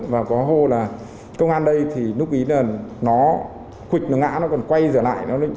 và có hô là công an đây thì nút bí nó khuỷt nó ngã nó còn quay dở lại